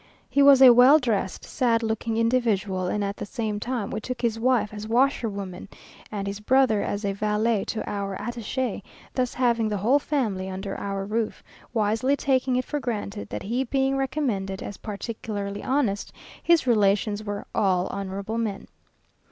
He was a well dressed, sad looking individual; and at the same time we took his wife as washerwoman, and his brother as valet to our attache, thus having the whole family under our roof, wisely taking it for granted that he being recommended as particularly honest, his relations were "all honourable men."